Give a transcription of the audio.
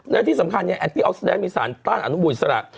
และที่สำคัญแอตตี้ออกซิดันมีสารต้านอนุมูลอิสระ